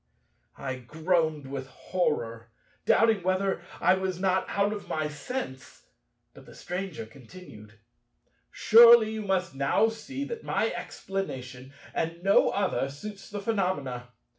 I groaned with horror, doubting whether I was not out of my sense; but the Stranger continued: "Surely you must now see that my explanation, and no other, suits the phenomena.